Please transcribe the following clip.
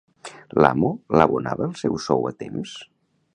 L'amo l'abonava el seu sou a temps?